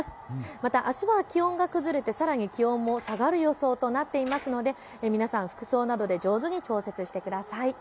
また、あすは気温が崩れてさらに気温も下がる予想となっていますので皆さん、服装などで上手に調節してください。